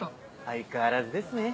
相変わらずですね。